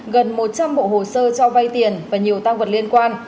gần một trăm linh bộ hồ sơ cho vay tiền và nhiều tăng vật liên quan